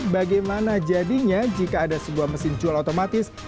bagaimana jadinya jika ada sebuah mesin jual otomatis